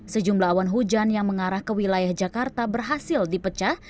sejumlah awan hujan yang mengarah ke wilayah jakarta berhasil dipecah